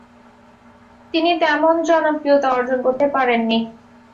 তিনি তেমন জনপ্রিয়তা অর্জন করতে পারেননি।